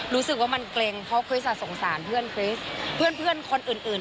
รูสึกว่ามันเกร็งเพราะคริสต์สงสารเพื่อนคนอื่น